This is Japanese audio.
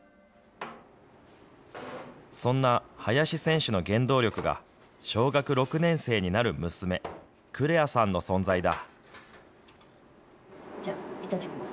そんな林選手の原動力が、小学６年生になる娘、久玲亜さんの存在だ。